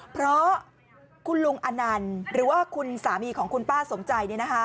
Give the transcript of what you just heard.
เพราะคุณลุงอนันต์หรือว่าคุณสามีของคุณป้าสมใจ